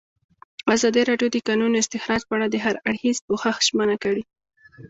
ازادي راډیو د د کانونو استخراج په اړه د هر اړخیز پوښښ ژمنه کړې.